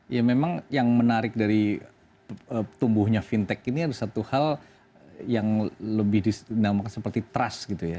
ya memang yang menarik dari tumbuhnya fintech ini ada satu hal yang lebih dinamakan seperti trust gitu ya